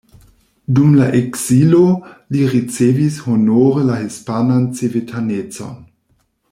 Dum la ekzilo li ricevis honore la hispanan civitanecon.